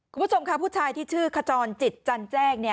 คุณผู้ชมค่ะผู้ชายที่ชื่อขจรจิตจันแจ้ง